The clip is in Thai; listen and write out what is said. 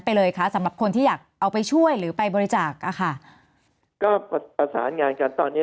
เลยคะสำหรับคนที่อยากเอาไปช่วยหรือไปบริจาคอ่ะค่ะก็ประสานงานกันตอนเนี้ย